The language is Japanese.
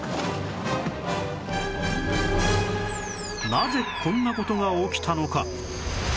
なぜこんな事が起きたのか？